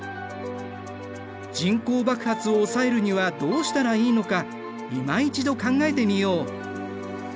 人口爆発を抑えるにはどうしたらいいのかいま一度考えてみよう。